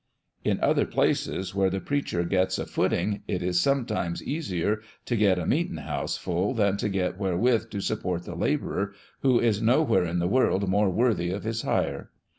In other places, where the preacher gets a footing, it is sometimes easier to get a " meetin' house" full than to get wherewith to support the labourer who is nowhere in the world more "worthy of his hire."